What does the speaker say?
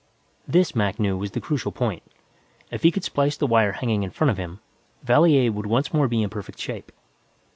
This, Mac knew, was the crucial point. If he could splice the wire hanging in front of him, Valier would once more be in perfect shape.